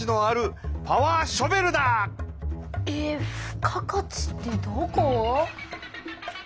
付加価値ってどこ？